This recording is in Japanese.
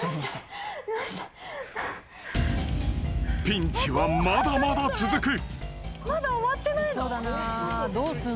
［ピンチはまだまだ続く］